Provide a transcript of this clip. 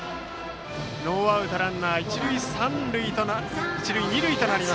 ノーアウトランナー、一塁二塁。